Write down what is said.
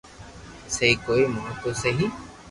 سھي ڪوئي مون تو سھي